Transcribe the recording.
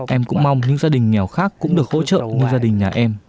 em cũng mong những gia đình nghèo khác cũng được hỗ trợ như gia đình nhà em